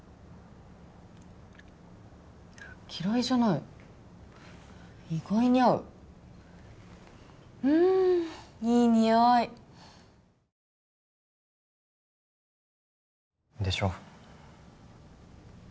嫌いじゃない意外に合ううんいいニオイでしょ